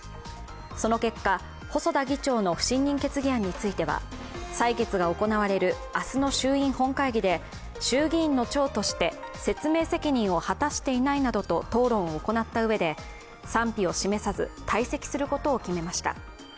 その結果、細田議長の不信任決議案については、採決が行われる明日の衆院本会議で衆議院の長として、説明責任を果たしていないなどと討論を行ったうえで賛否を示さず退席することを決めました。